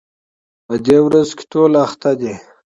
په دې ورځو کې ټول بوخت دي